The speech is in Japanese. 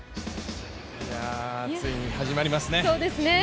ついに始まりますね。